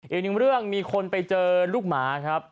อีกหนึ่งเรื่องมีคนไปเจอลูกหมาครับ